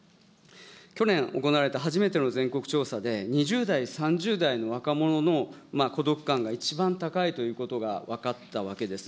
去年、行われた初めての全国調査で、２０代、３０代の若者の孤独感が一番高いということが分かったわけです。